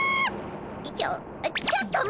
ちょちょっと待って。